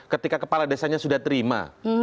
ketika kepala desanya sudah terima